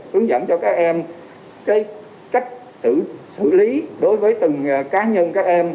hướng dẫn cho các em cách xử lý đối với từng cá nhân các em